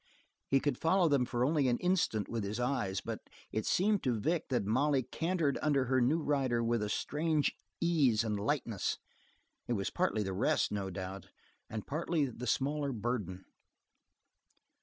He could follow them for only an instant with his eyes, but it seemed to Vic that Molly cantered under her new rider with strange ease and lightness. It was partly the rest, no doubt, and partly the smaller burden.